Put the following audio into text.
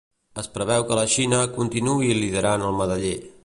Es preveu que la Xina continuï liderant el medaller.